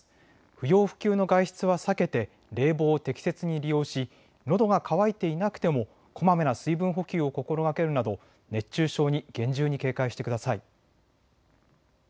不要不急の外出は避けて冷房を適切に利用しのどが渇いていなくてもこまめな水分補給を心がけるなど熱中症に厳重に警戒してください。